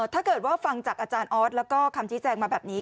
ถ้าเกิดว่าฟังจากอาจารย์ออสแล้วก็คำชี้แจงมาแบบนี้